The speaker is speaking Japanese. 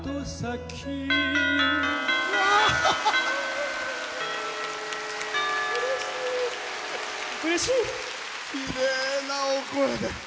きれいなお声で。